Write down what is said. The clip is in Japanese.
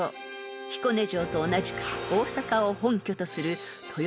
［彦根城と同じく大阪を本拠とする］